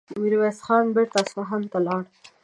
ميرويس خان بېرته اصفهان ته لاړ.